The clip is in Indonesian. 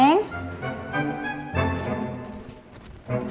neneng kamu cari siapa